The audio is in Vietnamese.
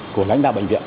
của lãnh đạo bệnh viện